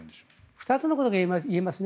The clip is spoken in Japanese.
２つのことが言えますね。